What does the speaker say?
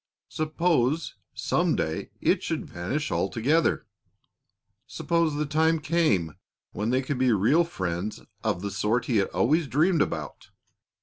Suppose some day it should vanish altogether! Suppose the time came when they could be real friends of the sort he had always dreamed about!